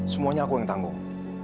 semuanya aku yang tanggung